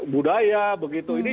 budaya begitu ini